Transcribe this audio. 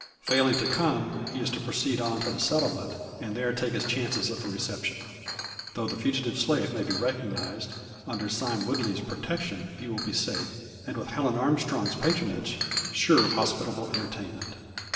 Failing to come, he is to proceed on to the settlement, and there take his chances of a reception. Though the fugitive slave may be recognised, under Sime Woodley's protection he will be safe, and with Helen Armstrong's patronage, sure of hospitable entertainment.